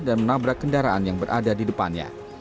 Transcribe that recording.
dan menabrak kendaraan yang berada di depannya